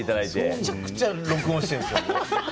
むちゃくちゃ録音してるんですよ。